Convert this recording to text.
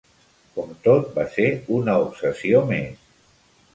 Com tot, va ser una obsessió més.